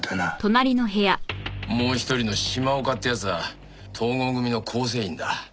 もう一人の島岡って奴は東剛組の構成員だ。